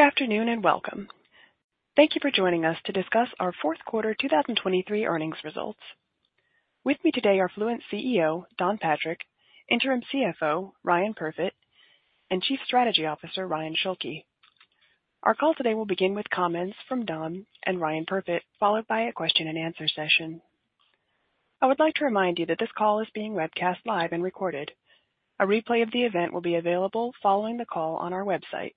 Good afternoon and welcome. Thank you for joining us to discuss our Fourth Quarter 2023 Earnings Results. With me today are Fluent's CEO, Don Patrick, Interim CFO, Ryan Perfit, and Chief Strategy Officer, Ryan Schulke. Our call today will begin with comments from Don and Ryan Perfit, followed by a question and answer session. I would like to remind you that this call is being webcast live and recorded. A replay of the event will be available following the call on our website.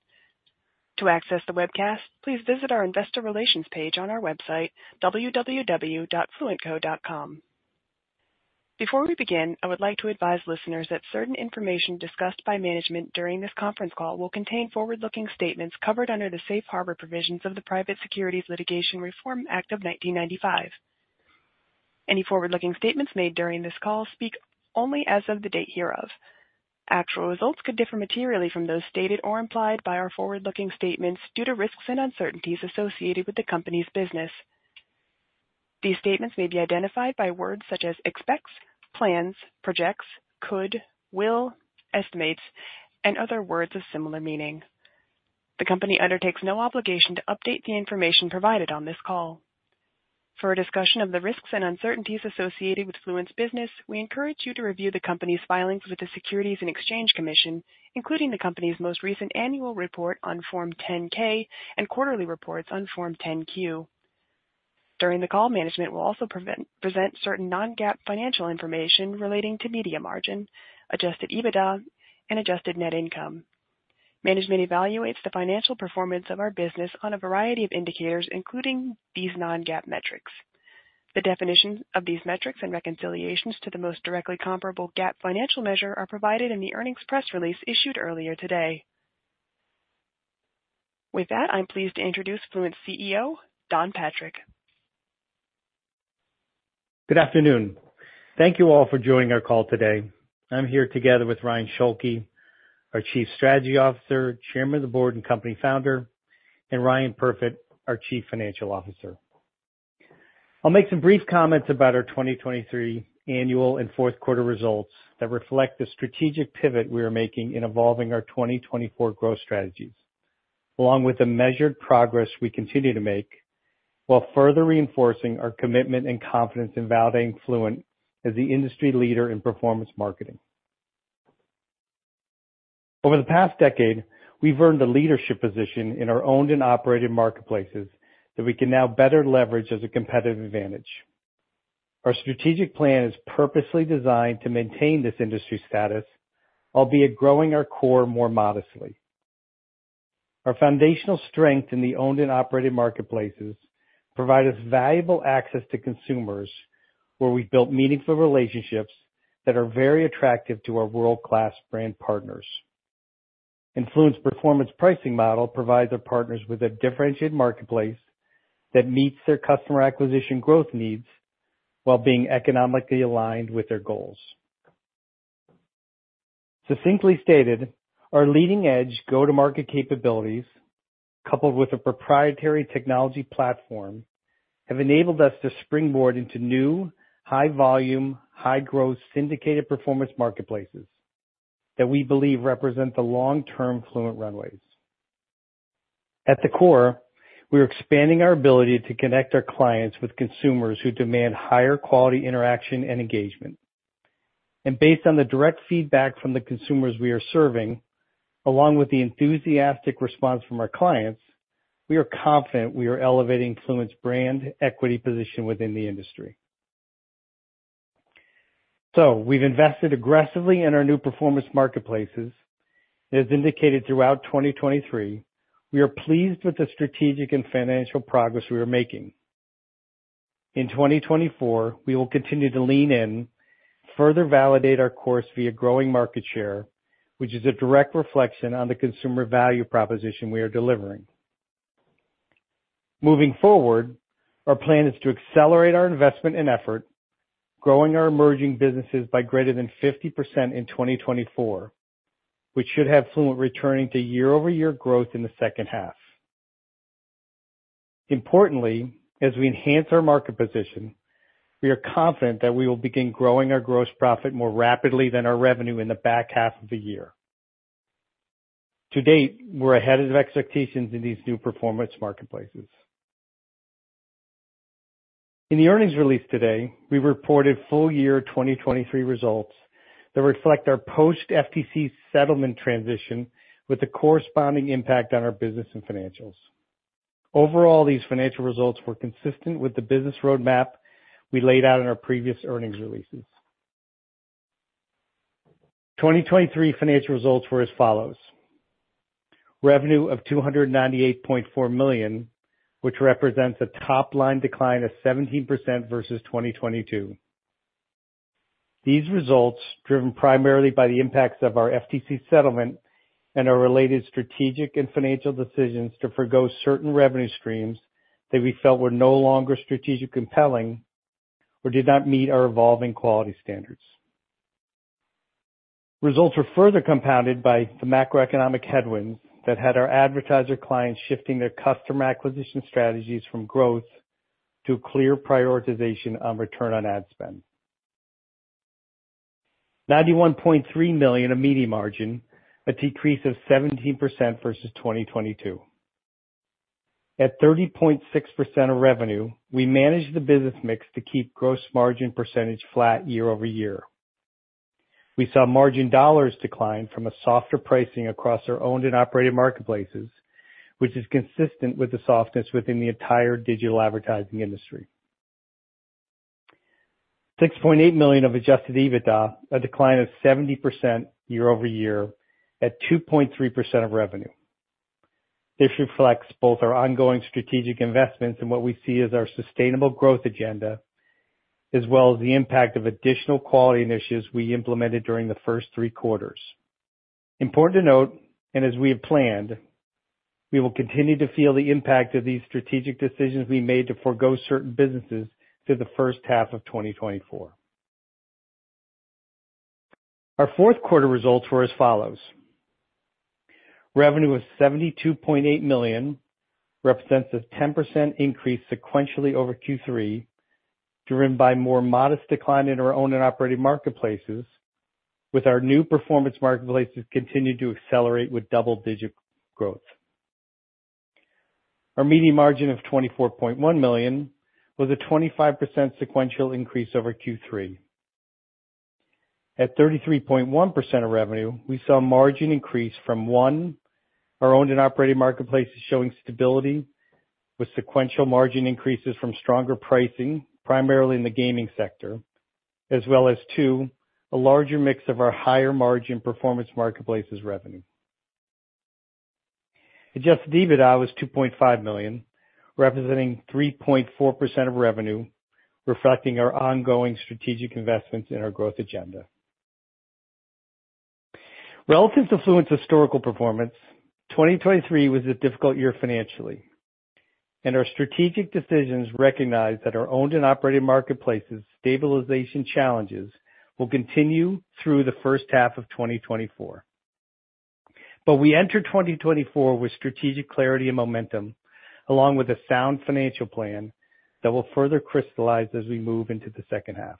To access the webcast, please visit our investor relations page on our website, www.fluentco.com. Before we begin, I would like to advise listeners that certain information discussed by management during this conference call will contain forward-looking statements covered under the Safe Harbor Provisions of the Private Securities Litigation Reform Act of 1995. Any forward-looking statements made during this call speak only as of the date hereof. Actual results could differ materially from those stated or implied by our forward-looking statements due to risks and uncertainties associated with the company's business. These statements may be identified by words such as expects, plans, projects, could, will, estimates, and other words of similar meaning. The company undertakes no obligation to update the information provided on this call. For a discussion of the risks and uncertainties associated with Fluent's business, we encourage you to review the company's filings with the Securities and Exchange Commission, including the company's most recent annual report on Form 10-K and quarterly reports on Form 10-Q. During the call, management will also present certain non-GAAP financial information relating to Media Margin, Adjusted EBITDA, and adjusted net income. Management evaluates the financial performance of our business on a variety of indicators, including these non-GAAP metrics. The definition of these metrics and reconciliations to the most directly comparable GAAP financial measure are provided in the earnings press release issued earlier today. With that, I'm pleased to introduce Fluent's CEO, Don Patrick. Good afternoon. Thank you all for joining our call today. I'm here together with Ryan Schulke, our Chief Strategy Officer, Chairman of the Board and company founder, and Ryan Perfit, our Chief Financial Officer. I'll make some brief comments about our 2023 annual and fourth quarter results that reflect the strategic pivot we are making in evolving our 2024 growth strategies, along with the measured progress we continue to make, while further reinforcing our commitment and confidence in validating Fluent as the industry leader in performance marketing. Over the past decade, we've earned a leadership position in our owned and operated marketplaces that we can now better leverage as a competitive advantage. Our strategic plan is purposely designed to maintain this industry status, albeit growing our core more modestly. Our foundational strength in the owned and operated marketplaces provide us valuable access to consumers, where we've built meaningful relationships that are very attractive to our world-class brand partners. Fluent's performance pricing model provides our partners with a differentiated marketplace that meets their customer acquisition growth needs while being economically aligned with their goals. Succinctly stated, our leading-edge go-to-market capabilities, coupled with a proprietary technology platform, have enabled us to springboard into new, high volume, high-growth, syndicated performance marketplaces that we believe represent the long-term Fluent runways. At the core, we are expanding our ability to connect our clients with consumers who demand higher quality, interaction, and engagement. Based on the direct feedback from the consumers we are serving, along with the enthusiastic response from our clients, we are confident we are elevating Fluent's brand equity position within the industry. So we've invested aggressively in our new performance marketplaces. As indicated throughout 2023, we are pleased with the strategic and financial progress we are making. In 2024, we will continue to lean in, further validate our course via growing market share, which is a direct reflection on the consumer value proposition we are delivering. Moving forward, our plan is to accelerate our investment and effort, growing our emerging businesses by greater than 50% in 2024, which should have Fluent returning to year-over-year growth in the second half. Importantly, as we enhance our market position, we are confident that we will begin growing our gross profit more rapidly than our revenue in the back half of the year. To date, we're ahead of expectations in these new performance marketplaces. In the earnings release today, we reported full-year 2023 results that reflect our post FTC settlement transition with a corresponding impact on our business and financials. Overall, these financial results were consistent with the business roadmap we laid out in our previous earnings releases. 2023 financial results were as follows: Revenue of $298.4 million, which represents a top-line decline of 17% versus 2022. These results, driven primarily by the impacts of our FTC settlement and our related strategic and financial decisions to forgo certain revenue streams that we felt were no longer strategically compelling or did not meet our evolving quality standards. Results were further compounded by the macroeconomic headwinds that had our advertiser clients shifting their customer acquisition strategies from growth to clear prioritization on return on ad spend.... $91.3 million of Media Margin, a decrease of 17% versus 2022. At 30.6% of revenue, we managed the business mix to keep gross margin percentage flat year-over-year. We saw margin dollars decline from a softer pricing across our owned and operated marketplaces, which is consistent with the softness within the entire digital advertising industry. $6.8 million of Adjusted EBITDA, a decline of 70% year-over-year, at 2.3% of revenue. This reflects both our ongoing strategic investments and what we see as our sustainable growth agenda, as well as the impact of additional quality initiatives we implemented during the first three quarters. Important to note, and as we have planned, we will continue to feel the impact of these strategic decisions we made to forego certain businesses through the first half of 2024. Our fourth quarter results were as follows: Revenue of $72.8 million, represents a 10% increase sequentially over Q3, driven by more modest decline in our owned and operated marketplaces, with our new performance marketplaces continuing to accelerate with double-digit growth. Our media margin of $24.1 million was a 25% sequential increase over Q3. At 33.1% of revenue, we saw margin increase from, one, our owned and operated marketplace is showing stability, with sequential margin increases from stronger pricing, primarily in the gaming sector, as well as, two, a larger mix of our higher margin performance marketplaces revenue. Adjusted EBITDA was $2.5 million, representing 3.4% of revenue, reflecting our ongoing strategic investments in our growth agenda. Relative to Fluent's historical performance, 2023 was a difficult year financially, and our strategic decisions recognize that our owned and operated marketplaces stabilization challenges will continue through the first half of 2024. But we entered 2024 with strategic clarity and momentum, along with a sound financial plan that will further crystallize as we move into the second half.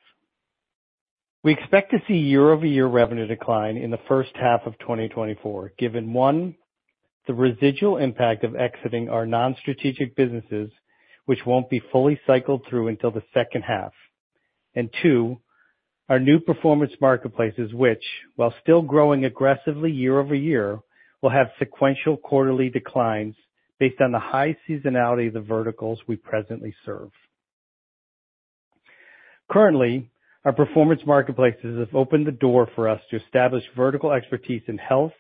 We expect to see year-over-year revenue decline in the first half of 2024, given, one, the residual impact of exiting our non-strategic businesses, which won't be fully cycled through until the second half, and two, our new performance marketplaces, which, while still growing aggressively year-over-year, will have sequential quarterly declines based on the high seasonality of the verticals we presently serve. Currently, our Performance Marketplaces have opened the door for us to establish vertical expertise in health,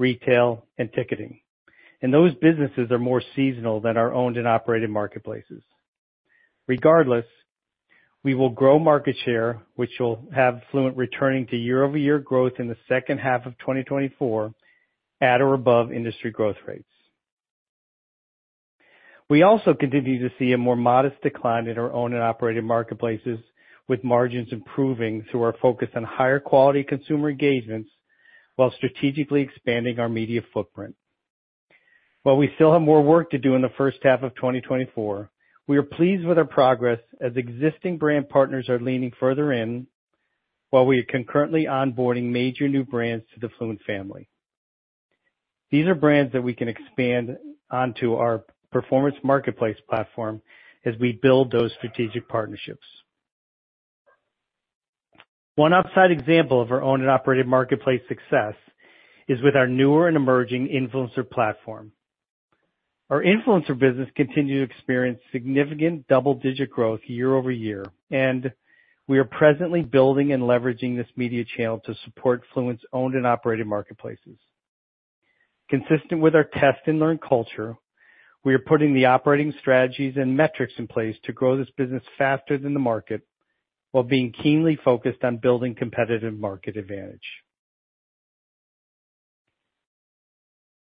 retail, and ticketing, and those businesses are more seasonal than our owned and operated marketplaces. Regardless, we will grow market share, which will have Fluent returning to year-over-year growth in the second half of 2024 at or above industry growth rates. We also continue to see a more modest decline in our owned and operated marketplaces, with margins improving through our focus on higher quality consumer engagements while strategically expanding our media footprint. While we still have more work to do in the first half of 2024, we are pleased with our progress as existing brand partners are leaning further in, while we are concurrently onboarding major new brands to the Fluent family. These are brands that we can expand onto our Performance Marketplaces platform as we build those strategic partnerships. One upside example of our owned and operated marketplace success is with our newer and emerging influencer platform. Our influencer business continued to experience significant double-digit growth year-over-year, and we are presently building and leveraging this media channel to support Fluent's owned and operated marketplaces. Consistent with our test and learn culture, we are putting the operating strategies and metrics in place to grow this business faster than the market, while being keenly focused on building competitive market advantage.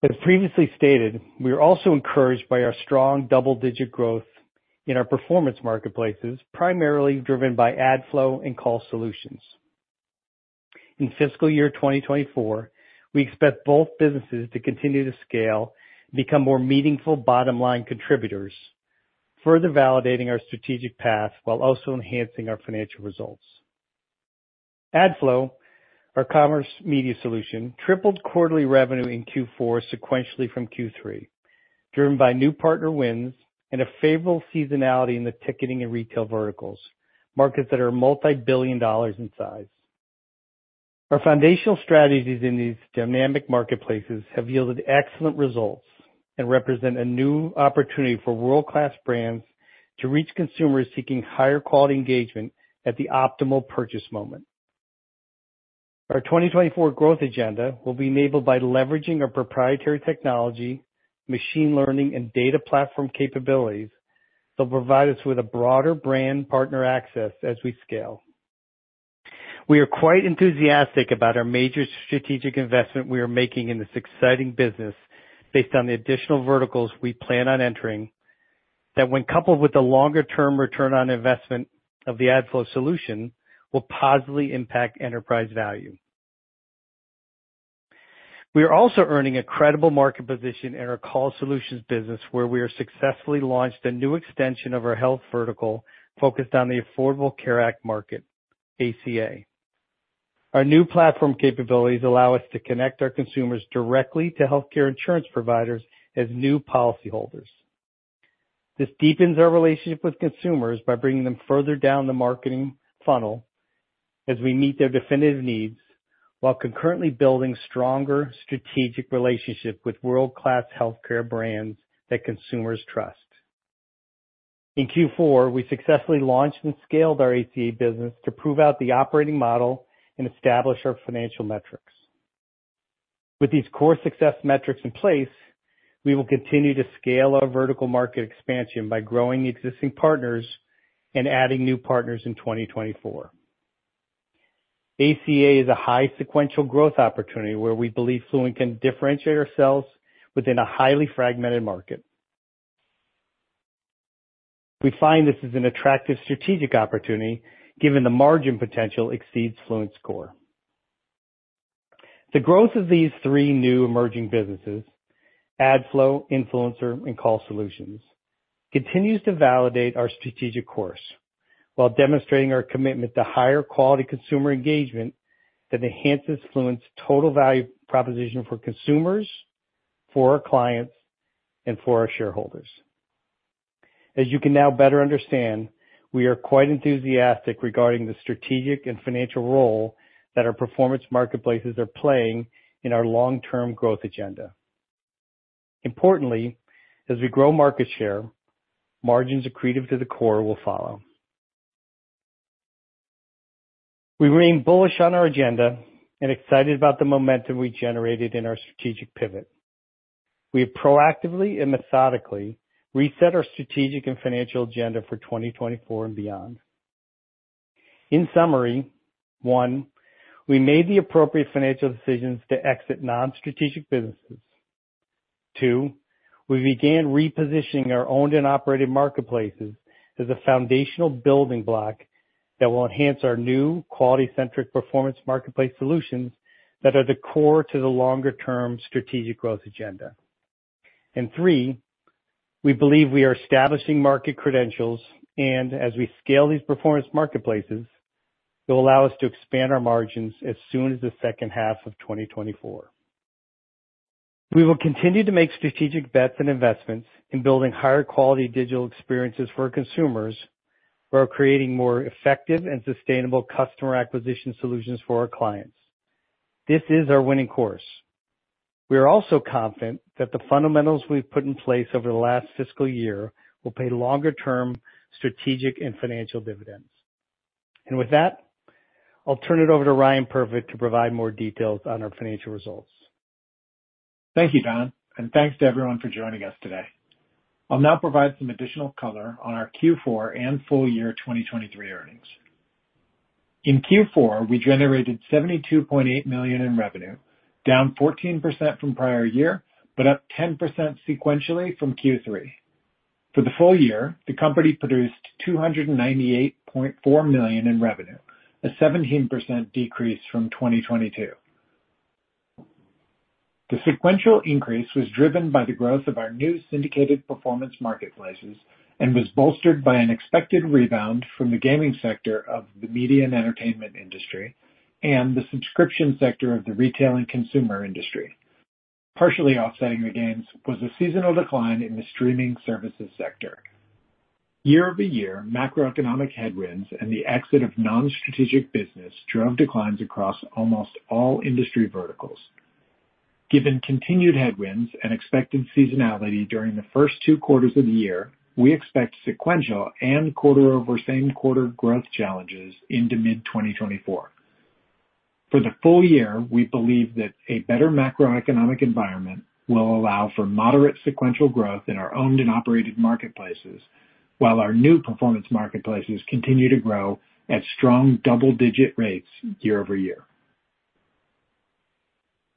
As previously stated, we are also encouraged by our strong double-digit growth in our performance marketplaces, primarily driven by AdFlow and Call Solutions. In fiscal year 2024, we expect both businesses to continue to scale and become more meaningful bottom-line contributors, further validating our strategic path while also enhancing our financial results. AdFlow, our commerce media solution, tripled quarterly revenue in Q4 sequentially from Q3, driven by new partner wins and a favorable seasonality in the ticketing and retail verticals, markets that are multi-billion dollars in size. Our foundational strategies in these dynamic marketplaces have yielded excellent results and represent a new opportunity for world-class brands to reach consumers seeking higher quality engagement at the optimal purchase moment. Our 2024 growth agenda will be enabled by leveraging our proprietary technology, machine learning, and data platform capabilities that will provide us with a broader brand partner access as we scale. We are quite enthusiastic about our major strategic investment we are making in this exciting business based on the additional verticals we plan on entering, that when coupled with the longer-term return on investment of the AdFlow solution, will positively impact enterprise value. We are also earning a credible market position in our Call Solutions business, where we have successfully launched a new extension of our health vertical focused on the Affordable Care Act market, ACA. Our new platform capabilities allow us to connect our consumers directly to healthcare insurance providers as new policyholders. This deepens our relationship with consumers by bringing them further down the marketing funnel as we meet their definitive needs, while concurrently building stronger strategic relationships with world-class healthcare brands that consumers trust. In Q4, we successfully launched and scaled our ACA business to prove out the operating model and establish our financial metrics. With these core success metrics in place, we will continue to scale our vertical market expansion by growing existing partners and adding new partners in 2024. ACA is a high sequential growth opportunity where we believe Fluent can differentiate ourselves within a highly fragmented market. We find this is an attractive strategic opportunity, given the margin potential exceeds Fluent's core. The growth of these three new emerging businesses, AdFlow, Influencer, and Call Solutions, continues to validate our strategic course while demonstrating our commitment to higher quality consumer engagement that enhances Fluent's total value proposition for consumers, for our clients, and for our shareholders. As you can now better understand, we are quite enthusiastic regarding the strategic and financial role that our performance marketplaces are playing in our long-term growth agenda. Importantly, as we grow market share, margins accretive to the core will follow. We remain bullish on our agenda and excited about the momentum we generated in our strategic pivot. We have proactively and methodically reset our strategic and financial agenda for 2024 and beyond. In summary, one, we made the appropriate financial decisions to exit non-strategic businesses. Two, we began repositioning our owned and operated marketplaces as a foundational building block that will enhance our new quality-centric performance marketplace solutions that are the core to the longer-term strategic growth agenda. And three, we believe we are establishing market credentials, and as we scale these performance marketplaces, it will allow us to expand our margins as soon as the second half of 2024. We will continue to make strategic bets and investments in building higher quality digital experiences for our consumers, while creating more effective and sustainable customer acquisition solutions for our clients. This is our winning course. We are also confident that the fundamentals we've put in place over the last fiscal year will pay longer-term strategic and financial dividends. With that, I'll turn it over to Ryan Perfit to provide more details on our financial results. Thank you, Don, and thanks to everyone for joining us today. I'll now provide some additional color on our Q4 and full-year 2023 earnings. In Q4, we generated $72.8 million in revenue, down 14% from prior year, but up 10% sequentially from Q3. For the full-year, the company produced $298.4 million in revenue, a 17% decrease from 2022. The sequential increase was driven by the growth of our new syndicated performance marketplaces and was bolstered by an expected rebound from the gaming sector of the media and entertainment industry and the subscription sector of the retail and consumer industry. Partially offsetting the gains was a seasonal decline in the streaming services sector. Year-over-year, macroeconomic headwinds and the exit of non-strategic business drove declines across almost all industry verticals. Given continued headwinds and expected seasonality during the first two quarters of the year, we expect sequential and quarter-over-same quarter growth challenges into mid-2024. For the full-year, we believe that a better macroeconomic environment will allow for moderate sequential growth in our owned and operated marketplaces, while our new performance marketplaces continue to grow at strong double-digit rates year-over-year.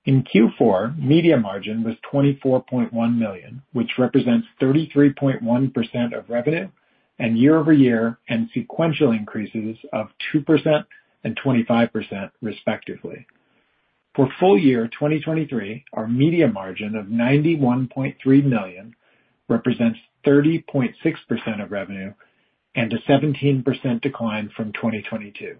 In Q4, media margin was $24.1 million, which represents 33.1% of revenue and year-over-year, and sequential increases of 2% and 25% respectively. For full-year 2023, our media margin of $91.3 million represents 30.6% of revenue and a 17% decline from 2022.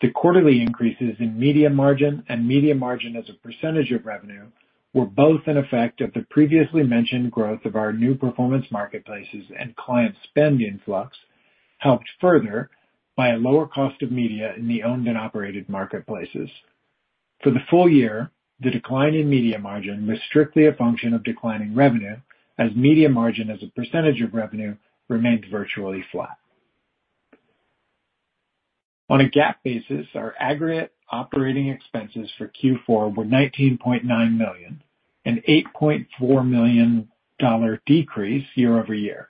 The quarterly increases in media margin and media margin as a percentage of revenue were both an effect of the previously mentioned growth of our new performance marketplaces and client spend influx, helped further by a lower cost of media in the owned and operated marketplaces. For the full-year, the decline in media margin was strictly a function of declining revenue, as media margin as a percentage of revenue remained virtually flat. On a GAAP basis, our aggregate operating expenses for Q4 were $19.9 million, an $8.4 million decrease year-over-year.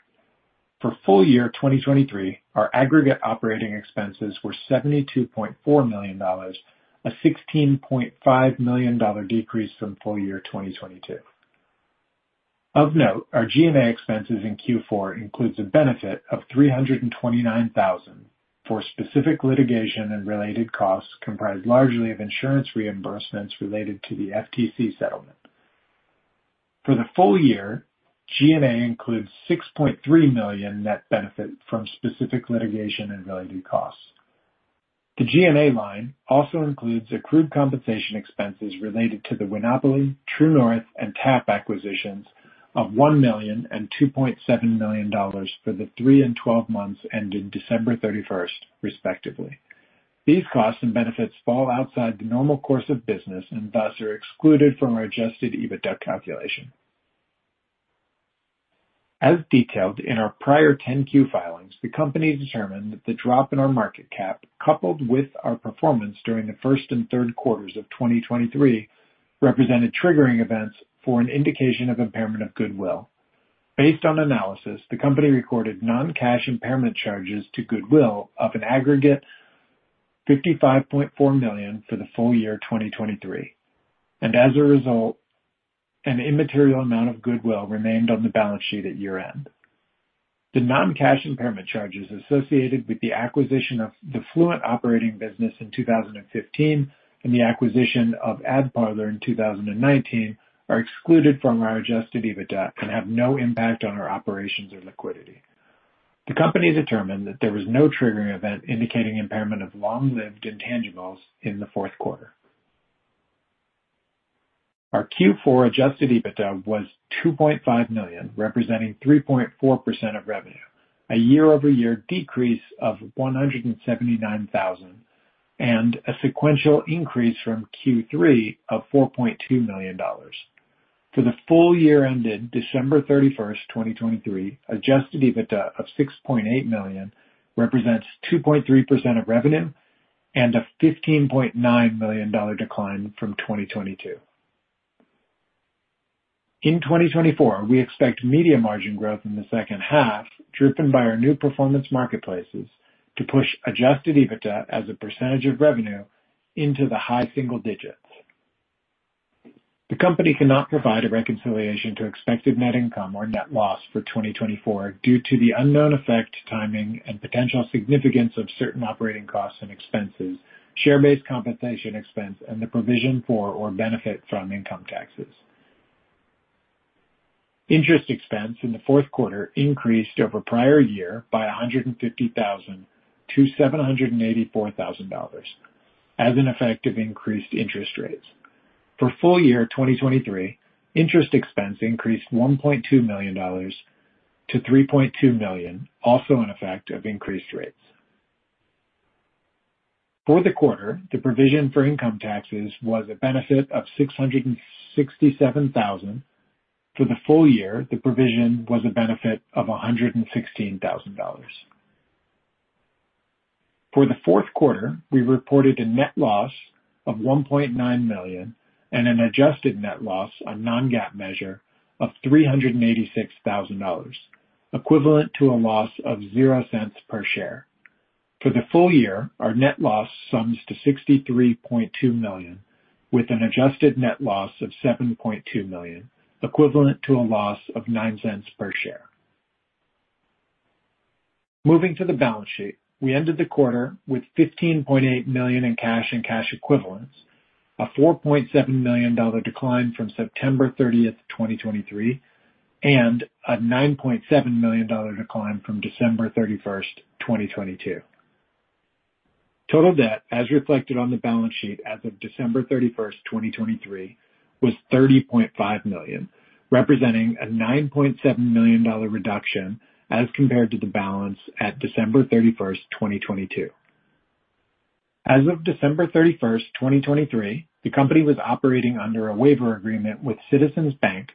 For full-year 2023, our aggregate operating expenses were $72.4 million, a $16.5 million decrease from full-year 2022. Of note, our G&A expenses in Q4 includes a benefit of $329,000 for specific litigation and related costs, comprised largely of insurance reimbursements related to the FTC settlement. For the full-year, G&A includes $6.3 million net benefit from specific litigation and related costs. The G&A line also includes accrued compensation expenses related to the Winopoly, True North, and TAP acquisitions of $1 million and $2.7 million for the three and 12 months ending December 31st, respectively. These costs and benefits fall outside the normal course of business and thus are excluded from our Adjusted EBITDA calculation. As detailed in our prior 10-Q filings, the company determined that the drop in our market cap, coupled with our performance during the first and third quarters of 2023, represented triggering events for an indication of impairment of goodwill. Based on analysis, the company recorded non-cash impairment charges to goodwill of an aggregate $55.4 million for the full-year 2023, and as a result, an immaterial amount of goodwill remained on the balance sheet at year-end. The non-cash impairment charges associated with the acquisition of the Fluent operating business in 2015, and the acquisition of AdParlor in 2019, are excluded from our adjusted EBITDA and have no impact on our operations or liquidity. The company determined that there was no triggering event indicating impairment of long-lived intangibles in the fourth quarter. Our Q4 adjusted EBITDA was $2.5 million, representing 3.4% of revenue, a year-over-year decrease of $179,000, and a sequential increase from Q3 of $4.2 million. For the full-year ended December 31st, 2023, adjusted EBITDA of $6.8 million represents 2.3% of revenue and a $15.9 million decline from 2022. In 2024, we expect media margin growth in the second half, driven by our new performance marketplaces, to push adjusted EBITDA as a percentage of revenue into the high single digits. The company cannot provide a reconciliation to expected net income or net loss for 2024 due to the unknown effect, timing, and potential significance of certain operating costs and expenses, share-based compensation expense, and the provision for, or benefit from income taxes. Interest expense in the fourth quarter increased over prior year by $150,000 to $784,000 as an effect of increased interest rates. For full-year 2023, interest expense increased $1.2 million to $3.2 million, also an effect of increased rates. For the quarter, the provision for income taxes was a benefit of $667,000. For the full-year, the provision was a benefit of $116,000. For the fourth quarter, we reported a net loss of $1.9 million and an adjusted net loss, a non-GAAP measure, of $386,000, equivalent to a loss of 0 cents per share. For the full-year, our net loss sums to $63.2 million, with an adjusted net loss of $7.2 million, equivalent to a loss of $0.09 per share. Moving to the balance sheet, we ended the quarter with $15.8 million in cash and cash equivalents, a $4.7 million decline from September 30th, 2023, and a $9.7 million decline from December 31st, 2022. Total debt, as reflected on the balance sheet as of December 31st, 2023, was $30.5 million, representing a $9.7 million reduction as compared to the balance at December 31st, 2022. As of December 31st, 2023, the company was operating under a waiver agreement with Citizens Bank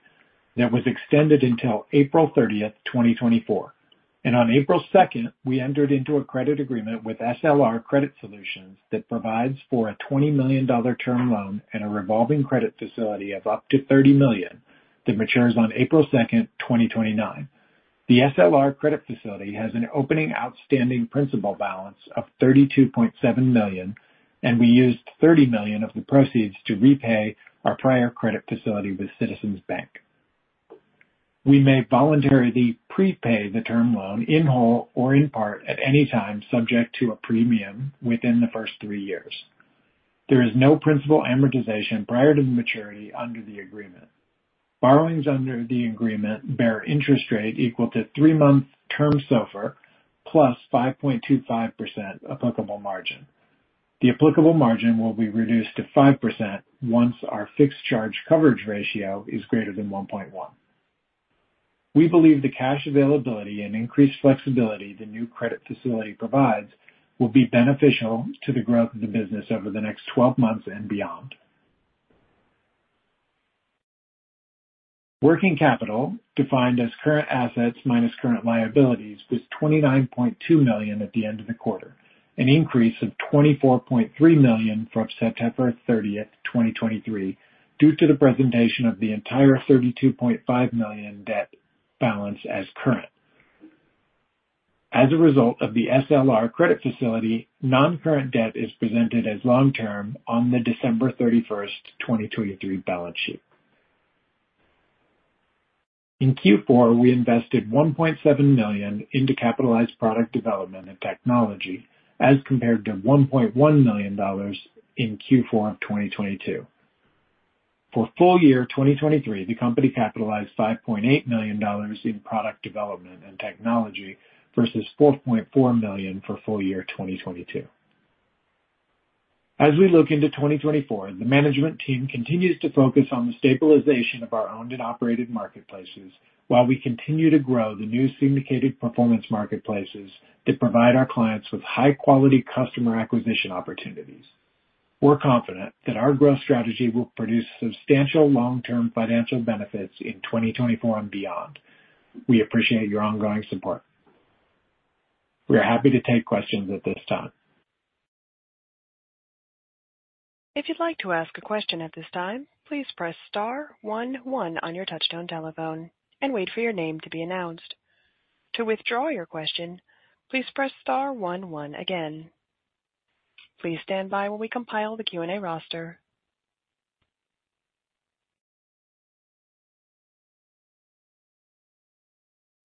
that was extended until April 30th, 2024. On April 2nd, we entered into a credit agreement with SLR Credit Solutions that provides for a $20 million term loan and a revolving credit facility of up to $30 million, that matures on April 2nd, 2029. The SLR credit facility has an opening outstanding principal balance of $32.7 million, and we used $30 million of the proceeds to repay our prior credit facility with Citizens Bank. We may voluntarily prepay the term loan in whole or in part, at any time, subject to a premium within the first 3 years. There is no principal amortization prior to maturity under the agreement. Borrowings under the agreement bear interest rate equal to three-month term SOFR plus 5.25% applicable margin. The applicable margin will be reduced to 5% once our fixed charge coverage ratio is greater than 1.1. We believe the cash availability and increased flexibility the new credit facility provides will be beneficial to the growth of the business over the next 12 months and beyond. Working capital, defined as current assets minus current liabilities, was $29.2 million at the end of the quarter, an increase of $24.3 million from September 30th, 2023, due to the presentation of the entire $32.5 million debt balance as current. ...As a result of the SLR credit facility, non-current debt is presented as long-term on the December 31st, 2023, balance sheet. In Q4, we invested $1.7 million into capitalized product development and technology, as compared to $1.1 million in Q4 of 2022. For full-year 2023, the company capitalized $5.8 million in product development and technology versus $4.4 million for full-year 2022. As we look into 2024, the management team continues to focus on the stabilization of our owned and operated marketplaces, while we continue to grow the new syndicated performance marketplaces that provide our clients with high-quality customer acquisition opportunities. We're confident that our growth strategy will produce substantial long-term financial benefits in 2024 and beyond. We appreciate your ongoing support. We are happy to take questions at this time. If you'd like to ask a question at this time, please press star one one on your touchtone telephone and wait for your name to be announced. To withdraw your question, please press star one one again. Please stand by while we compile the Q&A roster.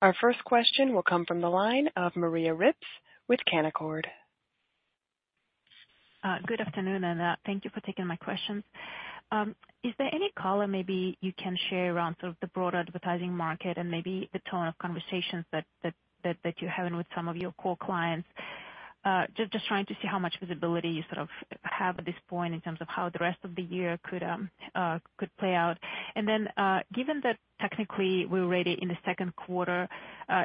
Our first question will come from the line of Maria Ripps with Canaccord Genuity. Good afternoon, and thank you for taking my questions. Is there any color maybe you can share around sort of the broader advertising market and maybe the tone of conversations that you're having with some of your core clients? Just trying to see how much visibility you sort of have at this point in terms of how the rest of the year could play out. And then, given that technically we're already in the second quarter,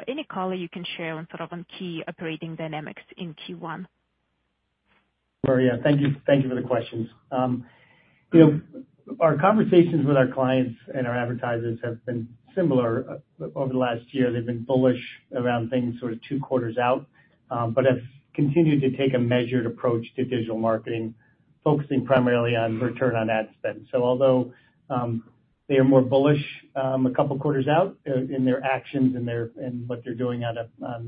any color you can share on key operating dynamics in Q1? Maria, thank you, thank you for the questions. You know, our conversations with our clients and our advertisers have been similar over the last year. They've been bullish around things sort of two quarters out, but have continued to take a measured approach to digital marketing, focusing primarily on return on ad spend. So although they are more bullish a couple of quarters out, in their actions and what they're doing out of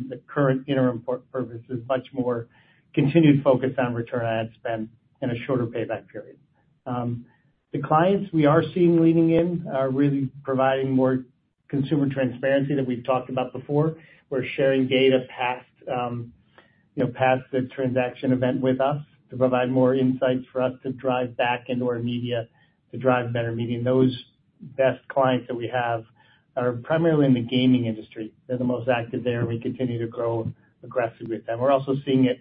the current interim purposes, much more continued focus on return on ad spend and a shorter payback period. The clients we are seeing leaning in are really providing more consumer transparency that we've talked about before. We're sharing data past, you know, past the transaction event with us to provide more insights for us to drive back into our media, to drive better media. Those best clients that we have are primarily in the gaming industry. They're the most active there, and we continue to grow aggressively with them. We're also seeing it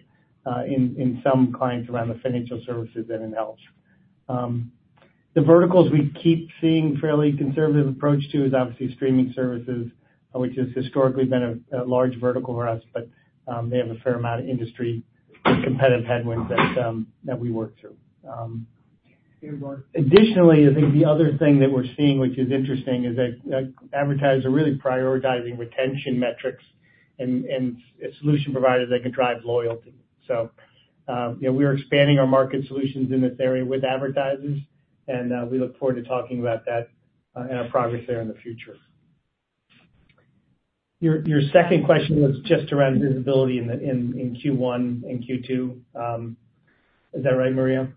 in some clients around the financial services and in health. The verticals we keep seeing fairly conservative approach to is obviously streaming services, which has historically been a large vertical for us, but they have a fair amount of industry competitive headwinds that we work through. Additionally, I think the other thing that we're seeing, which is interesting, is that advertisers are really prioritizing retention metrics and solution providers that can drive loyalty. You know, we are expanding our market solutions in this area with advertisers, and we look forward to talking about that and our progress there in the future. Your second question was just around visibility in the Q1 and Q2. Is that right, Maria?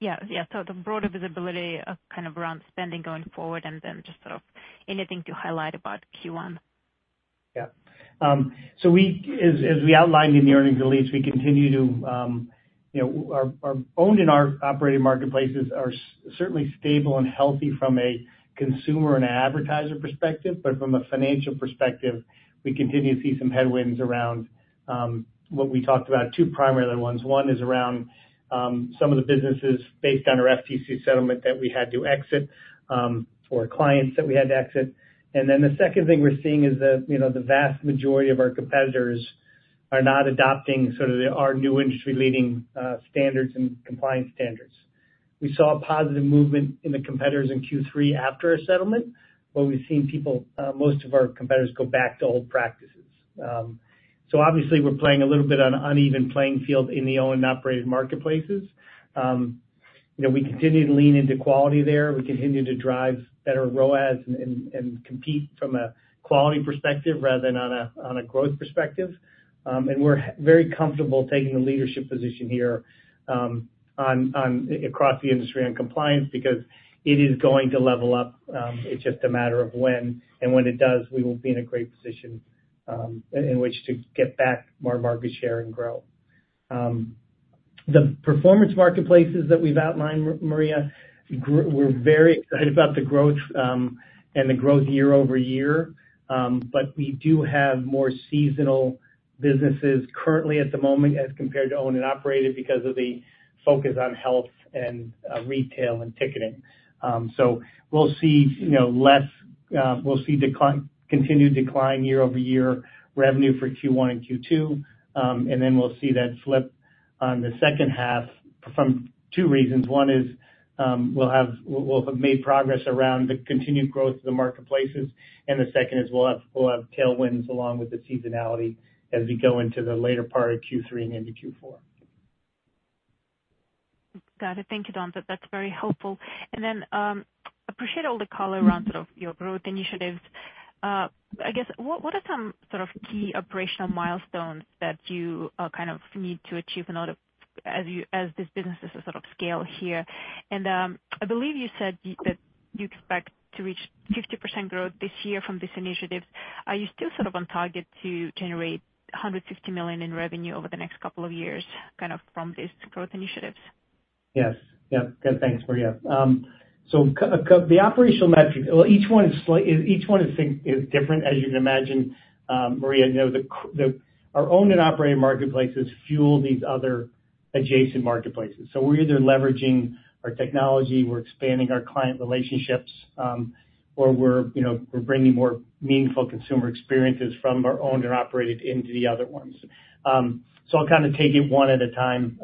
Yeah, yeah. So the broader visibility, kind of around spending going forward, and then just sort of anything to highlight about Q1. Yeah. So as we outlined in the earnings release, we continue to, you know, our owned and operated marketplaces are certainly stable and healthy from a consumer and advertiser perspective, but from a financial perspective, we continue to see some headwinds around what we talked about, two primary ones. One is around some of the businesses based on our FTC settlement that we had to exit or clients that we had to exit. And then the second thing we're seeing is that, you know, the vast majority of our competitors are not adopting sort of our new industry-leading standards and compliance standards. We saw a positive movement in the competitors in Q3 after a settlement, but we've seen most of our competitors go back to old practices. So obviously, we're playing a little bit on an uneven playing field in the owned and operated marketplaces. You know, we continue to lean into quality there. We continue to drive better ROAS and compete from a quality perspective rather than on a growth perspective. And we're very comfortable taking a leadership position here, across the industry on compliance, because it is going to level up. It's just a matter of when. And when it does, we will be in a great position, in which to get back more market share and grow. The Performance Marketplaces that we've outlined, Maria, we're very excited about the growth, and the growth year-over-year. But we do have more seasonal businesses currently at the moment as compared to owned and operated because of the focus on health and retail and ticketing. So we'll see, you know, less... We'll see continued decline year-over-year revenue for Q1 and Q2, and then we'll see that slip on the second half from two reasons. One is, we'll have made progress around the continued growth of the marketplaces, and the second is we'll have tailwinds along with the seasonality as we go into the later part of Q3 and into Q4. ... Got it. Thank you, Don, that's very helpful. And then, appreciate all the color around sort of your growth initiatives. I guess, what are some sort of key operational milestones that you kind of need to achieve in order as you as this business sort of scales here? And, I believe you said that you expect to reach 50% growth this year from this initiative. Are you still sort of on target to generate $150 million in revenue over the next couple of years, kind of from this growth initiatives? Yes. Yeah. Good. Thanks, Maria. So the operational metric, well, each one is slightly different, as you'd imagine, Maria. You know, our owned and operated marketplaces fuel these other adjacent marketplaces. So we're either leveraging our technology, we're expanding our client relationships, or we're, you know, we're bringing more meaningful consumer experiences from our owned and operated marketplaces into the other ones. So I'll kind of take it one at a time,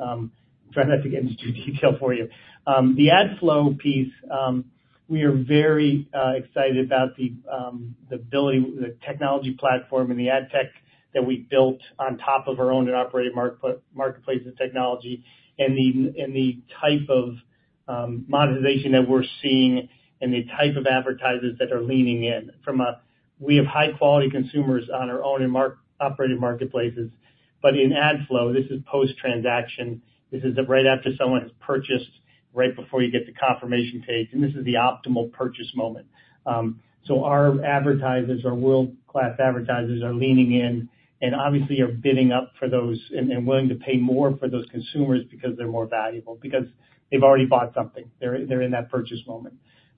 try not to get into too much detail for you. The AdFlow piece, we are very excited about the ability, the technology platform and the ad tech that we built on top of our owned and operated marketplace and technology, and the type of monetization that we're seeing and the type of advertisers that are leaning in from a... We have high-quality consumers on our owned and operated marketplaces. But in AdFlow, this is post-transaction. This is right after someone has purchased, right before you get the confirmation page, and this is the optimal purchase moment. So our advertisers, our world-class advertisers, are leaning in, and obviously are bidding up for those and willing to pay more for those consumers because they're more valuable, because they've already bought something. They're in that purchase moment.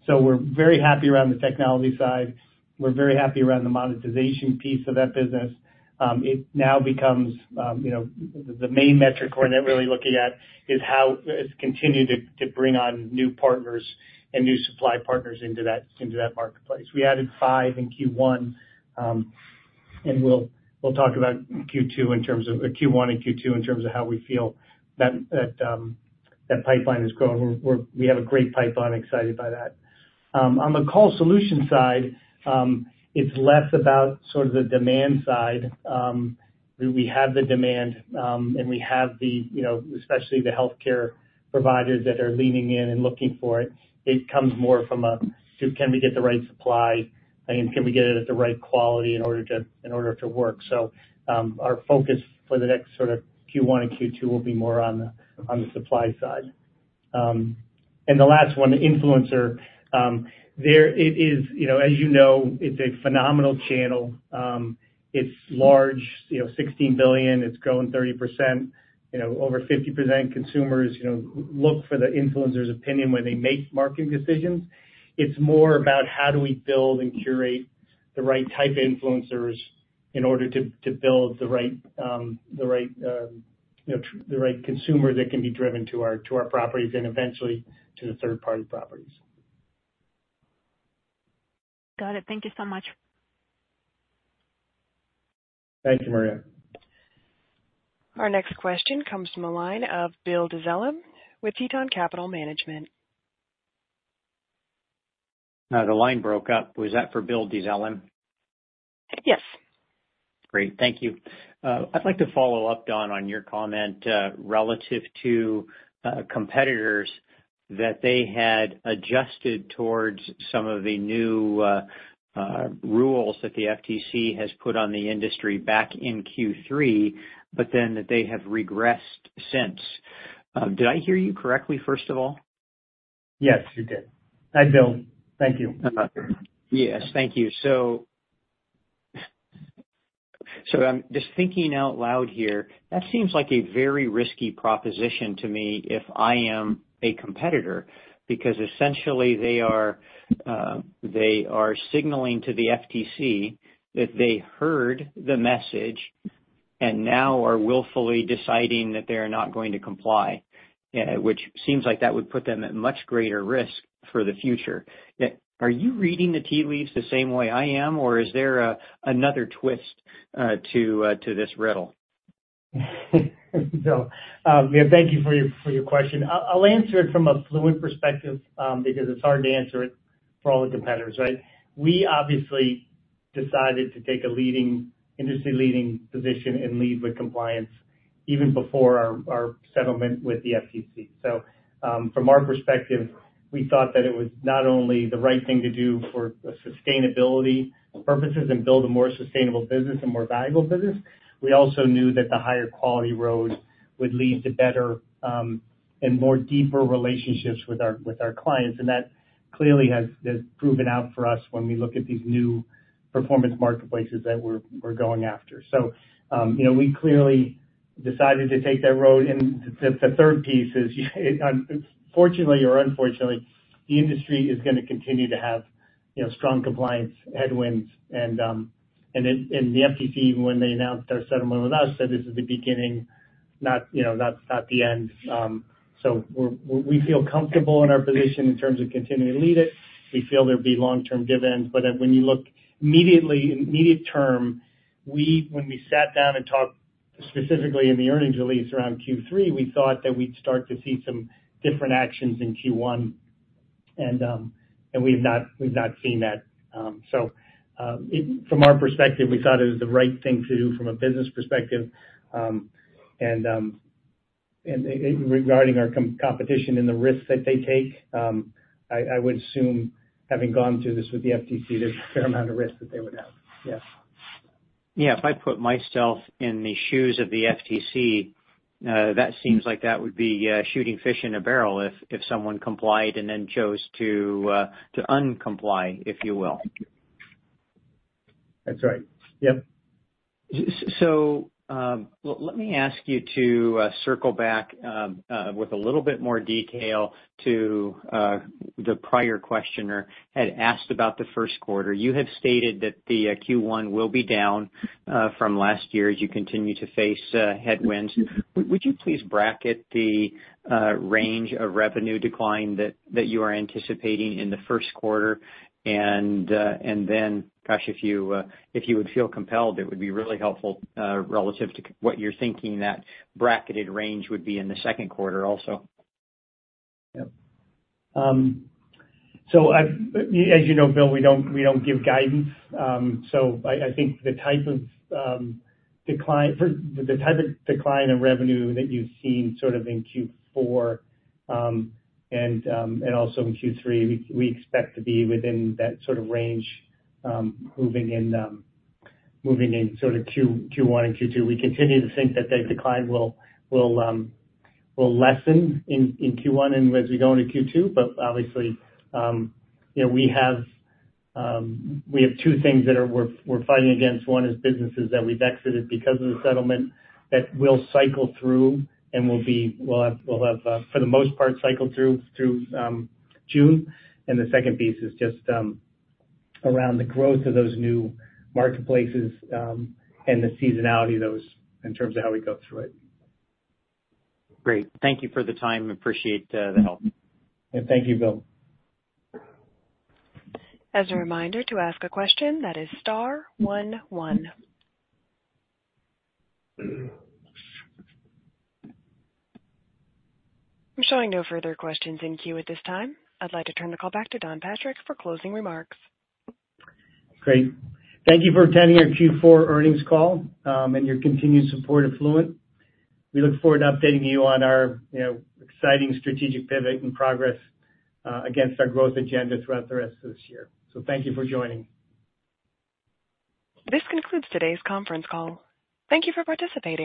So we're very happy around the technology side. We're very happy around the monetization piece of that business. It now becomes, you know, the main metric we're really looking at is how it's continued to bring on new partners and new supply partners into that marketplace. We added five in Q1, and we'll talk about Q2 in terms of Q1 and Q2, in terms of how we feel that pipeline is growing. We have a great pipeline, excited by that. On the Call Solutions side, it's less about sort of the demand side. We have the demand, and we have the, you know, especially the healthcare providers that are leaning in and looking for it. It comes more from a, to can we get the right supply, and can we get it at the right quality in order to work? So, our focus for the next sort of Q1 and Q2 will be more on the supply side. And the last one, the influencer, there it is, you know, as you know, it's a phenomenal channel. It's large, you know, $16 billion, it's growing 30%. You know, over 50% consumers, you know, look for the influencer's opinion when they make marketing decisions. It's more about how do we build and curate the right type of influencers in order to build the right, the right, you know, the right consumer that can be driven to our properties and eventually to the third-party properties. Got it. Thank you so much. Thank you, Maria. Our next question comes from the line of Bill Dezellem with Tieton Capital Management. The line broke up. Was that for Bill Dezellem? Yes. Great. Thank you. I'd like to follow up, Don, on your comment, relative to, competitors, that they had adjusted towards some of the new, rules that the FTC has put on the industry back in Q3, but then that they have regressed since. Did I hear you correctly, first of all? Yes, you did. Hi, Bill. Thank you. Yes, thank you. So, I'm just thinking out loud here. That seems like a very risky proposition to me, if I am a competitor, because essentially they are, they are signaling to the FTC that they heard the message and now are willfully deciding that they are not going to comply, which seems like that would put them at much greater risk for the future. Are you reading the tea leaves the same way I am, or is there another twist to this riddle? Bill, yeah, thank you for your question. I'll answer it from a Fluent perspective, because it's hard to answer it for all the competitors, right? We obviously decided to take a leading, industry-leading position and lead with compliance even before our settlement with the FTC. So, from our perspective, we thought that it was not only the right thing to do for sustainability purposes and build a more sustainable business, a more valuable business, we also knew that the higher quality road would lead to better and more deeper relationships with our clients, and that clearly has proven out for us when we look at these new performance marketplaces that we're going after. So, you know, we clearly decided to take that road. And the third piece is, fortunately or unfortunately, the industry is gonna continue to have, you know, strong compliance headwinds. And then, the FTC, when they announced their settlement with us, said this is the beginning, not, you know, not the end. So we feel comfortable in our position in terms of continuing to lead it. We feel there'll be long-term give-ins, but then when you look immediately, immediate term, when we sat down and talked specifically in the earnings release around Q3, we thought that we'd start to see some different actions in Q1. And we've not seen that. So, from our perspective, we thought it was the right thing to do from a business perspective. Regarding our competition and the risks that they take, I would assume, having gone through this with the FTC, there's a fair amount of risk that they would have. Yes. Yeah, if I put myself in the shoes of the FTC, that seems like that would be shooting fish in a barrel if someone complied and then chose to uncomply, if you will. That's right. Yep. So, let me ask you to circle back with a little bit more detail to the prior questioner had asked about the first quarter. You have stated that the Q1 will be down from last year as you continue to face headwinds. Would you please bracket the range of revenue decline that you are anticipating in the first quarter? And then, gosh, if you would feel compelled, it would be really helpful relative to what you're thinking that bracketed range would be in the second quarter also. Yep. So, as you know, Bill, we don't give guidance. So I think the type of decline in revenue that you've seen sort of in Q4 and also in Q3, we expect to be within that sort of range, moving in sort of Q1 and Q2. We continue to think that the decline will lessen in Q1 and as we go into Q2. But obviously, you know, we have two things that we're fighting against. One is businesses that we've exited because of the settlement that will cycle through and, for the most part, cycle through June. The second piece is just around the growth of those new marketplaces, and the seasonality of those in terms of how we go through it. Great. Thank you for the time. Appreciate, the help. Thank you, Bill. As a reminder, to ask a question, that is star one one. I'm showing no further questions in queue at this time. I'd like to turn the call back to Don Patrick for closing remarks. Great. Thank you for attending our Q4 earnings call and your continued support of Fluent. We look forward to updating you on our, you know, exciting strategic pivot and progress against our growth agenda throughout the rest of this year. So thank you for joining. This concludes today's conference call. Thank you for participating.